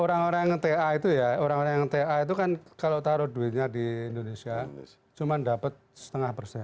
orang orang yang ta itu ya orang orang yang ta itu kan kalau taruh duitnya di indonesia cuma dapat setengah persen